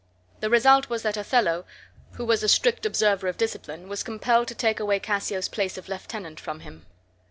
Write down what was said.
The result was that Othello, who was a strict observer of discipline, was compelled to take away Cassio's place of lieutenant from him.